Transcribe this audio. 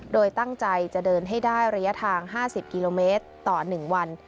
โดยตั้งใจจะเดินให้ได้ระยะทาง๕๐กิโลเมตรต่อ๑วัน